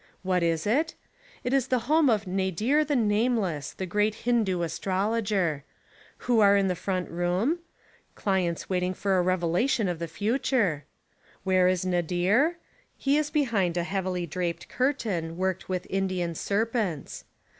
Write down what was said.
What is It? It is the home of Nadir the Nameless, the great Hindoo astrologer. Who are in the 47 Essays and Literary Studies front room? Clients waiting for a revelation of the future. Where is Nadir? He is behind a heavily draped curtain, worked with Indian' serpents.